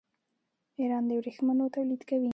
ایران د ورېښمو تولید کوي.